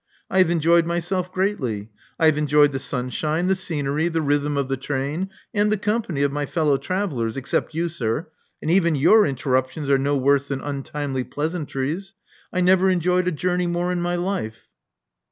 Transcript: I have enjoyed myself greatly. I have enjoyed the sunshine, the scenery, the rhythm of the train, and the company of my fellow travellers — except you, sir; and even your interruptions are no worse than untimely pleasantries. I never enjoyed a journey more in my life."